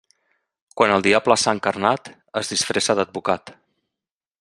Quan el diable s'ha encarnat, es disfressa d'advocat.